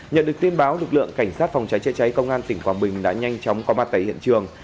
nhận được tin báo lực lượng cảnh sát phòng cháy chữa cháy công an tỉnh quảng bình đã nhanh chóng có mặt tại hiện trường